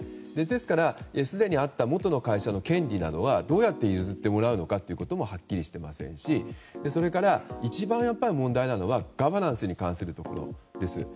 ですから、すでにあった元の会社の権利などはどうやって譲ってもらうのかはっきりしていませんしそれから、一番問題なのはガバナンスに関するところです。